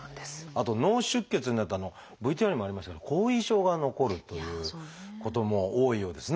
あと脳出血になるとＶＴＲにもありましたけど後遺症が残るということも多いようですね。